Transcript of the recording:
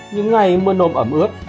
những ngày mưa nôm ẩm ướt